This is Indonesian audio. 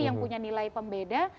yang memiliki nilai pembeda